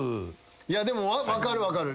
でも分かる分かる。